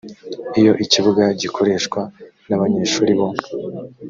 iyo ikibuga gikoreshwa n abanyeshuri bo